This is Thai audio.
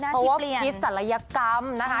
เพราะว่าผิดศรัยกรรมนะฮะ